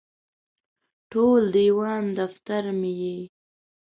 ټول دیوان دفتر مې یې